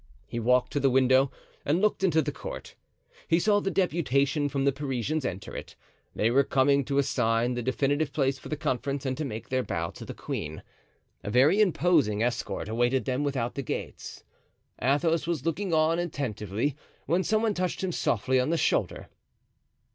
He walked to the window and looked into the court. He saw the deputation from the Parisians enter it; they were coming to assign the definitive place for the conference and to make their bow to the queen. A very imposing escort awaited them without the gates. Athos was looking on attentively, when some one touched him softly on the shoulder.